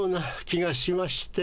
気がしまして。